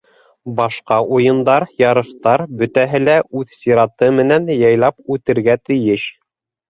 Башҡа уйындар, ярыштар - бөтәһе лә үҙ сираты менән яйлап үтергә тейеш.